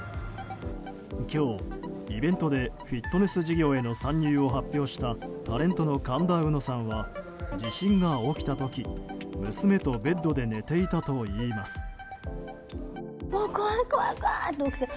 今日、イベントでフィットネス事業への参入を発表したタレントの神田うのさんは地震が起きた時娘とベッドで寝ていたといいます。